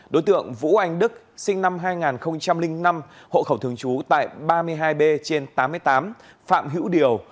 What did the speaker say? đối tượng vũ anh đức sinh năm hai nghìn năm hộ khẩu thường trú tại ba mươi hai b trên tám mươi tám phạm hữu điều